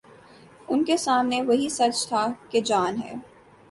ان کے سامنے وہی سچ تھا کہ جان ہے۔